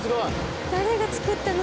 誰が作ったの？